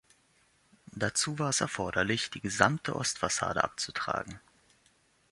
Dazu war es erforderlich, die gesamte Ostfassade abzutragen.